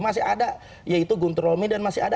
masih ada yaitu guntur romi dan masih ada